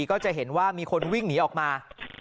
ก็จะเห็นว่ามีคนวิ่งหนีออกมา